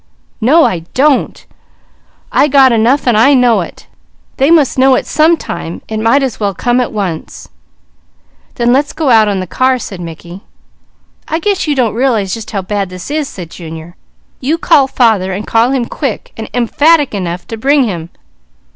"No I don't! I got enough and I know it! They must know it some time; it might as well come at once." "Then let's go out on the car," said Mickey. "I guess you don't realize just how bad this is," said Junior. "You call father, and call him quick and emphatic enough to bring him."